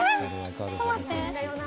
ちょっと待って。